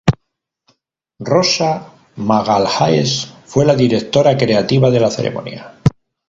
Rosa Magalhães fue la directora creativa de la ceremonia.